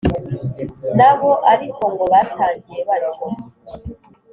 nabo ariko ngo batangiye batyo,